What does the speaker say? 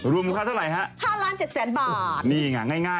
รูมคับเท่าไหร่ฮะ